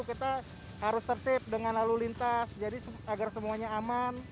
kita harus tertip dengan lalu lintas jadi agar semuanya aman